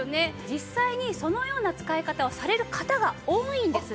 実際にそのような使い方をされる方が多いんですね。